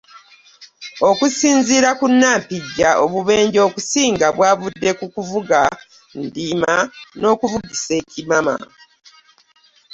Okusinziira ku Nampijja, obubenje okusinga bwavudde ku kuvuga ndiima n'okuvugisa ekimama